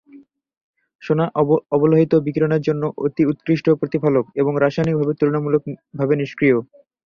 সোনা অবলোহিত বিকিরণের জন্য একটি অতি-উৎকৃষ্ট প্রতিফলক এবং রাসায়নিকভাবে তুলনামূলকভাবে নিষ্ক্রিয়।